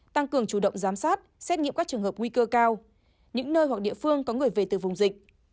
tăng cường chủ động giám sát xét nghiệm các trường hợp nguy cơ cao những nơi hoặc địa phương có người về từ vùng dịch